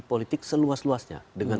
politik seluas luasnya dengan